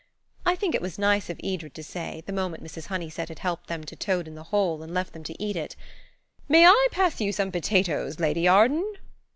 I think it was nice of Edred to say, the moment Mrs. Honeysett had helped them to toad in the hole and left them to eat it– "May I pass you some potatoes, Lady Arden?"